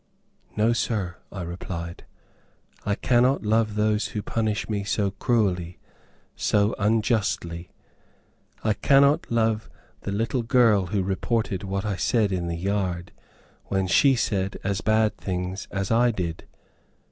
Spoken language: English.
"No, sir," I replied, "I cannot love those who punish me so cruelly, so unjustly. I cannot love the little girl who reported what I said in the yard, when she said as bad things as I did."